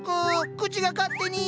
口が勝手に。